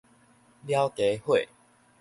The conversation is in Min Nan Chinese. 了家伙